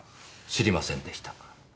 知りませんでした。